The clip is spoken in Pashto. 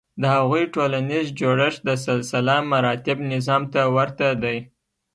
د هغوی ټولنیز جوړښت د سلسلهمراتب نظام ته ورته دی.